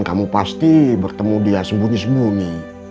kamu pasti bertemu dia sembunyi sembunyi